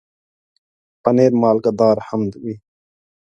پنېر مالګهدار هم وي.